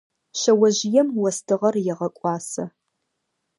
Шъэожъыем остыгъэр егъэкӏуасэ.